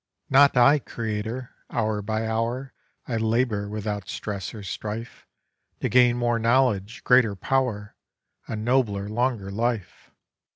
'Not I creator. Hour by hour I labour without stress or strife To gain more knowledge, greater power, A nobler, longer life.